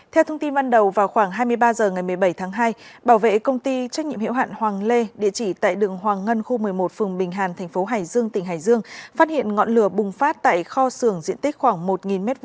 theo thông tin ban đầu vào khoảng hai mươi ba h ngày một mươi bảy tháng hai bảo vệ công ty trách nhiệm hiệu hạn hoàng lê địa chỉ tại đường hoàng ngân khu một mươi một phường bình hàn tp hải dương tỉnh hải dương phát hiện ngọn lửa bùng phát tại kho xưởng diện tích khoảng một m hai